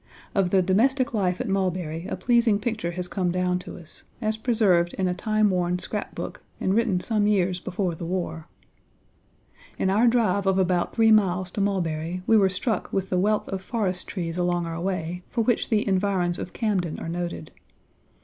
Of the domestic life at Mulberry a pleasing picture has come down Page xvii to us, as preserved in a time worn scrap book and written some years before the war: "In our drive of about three miles to Mulberry, we were struck with the wealth of forest trees along our way for which the environs of Camden are noted.